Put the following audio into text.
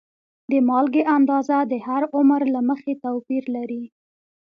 د مالګې اندازه د هر عمر له مخې توپیر لري.